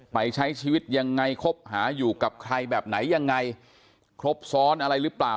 ใช้ชีวิตยังไงคบหาอยู่กับใครแบบไหนยังไงครบซ้อนอะไรหรือเปล่า